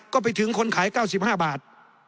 ก็ไปถึงคนขาย๙๕บาท